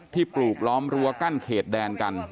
ปลูกล้อมรั้วกั้นเขตแดนกัน